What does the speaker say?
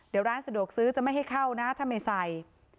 เดี๋ยวร้านสะดวกซื้อจะไม่ให้เข้านะถ้าไม่ใส่